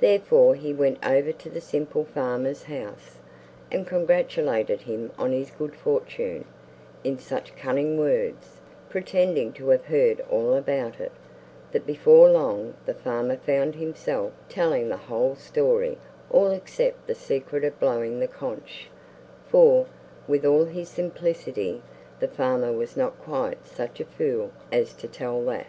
Therefore he went over to the simple farmer's house, and congratulated him on his good fortune, in such cunning words, pretending to have heard all about it, that before long the farmer found himself telling the whole story—all except the secret of blowing the conch, for, with all his simplicity, the farmer was not quite such a fool as to tell that.